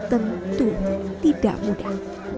tentu tidak mudah